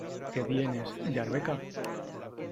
Que vienes ¿de Arbeca?